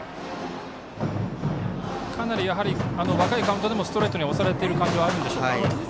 かなり、若いカウントでもストレートに押されている感じがあるんでしょうか。